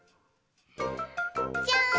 じゃん！